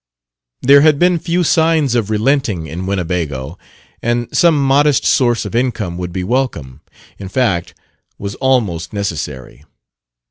There had been few signs of relenting in Winnebago; and some modest source of income would be welcome in fact, was almost necessary.